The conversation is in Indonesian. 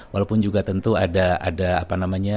walaupun juga tentu ada